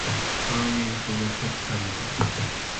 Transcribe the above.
Ambobi icta caimbi